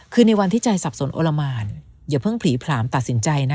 คือในวันที่ใจสับสนโอละหมานอย่าเพิ่งผลีผลามตัดสินใจนะ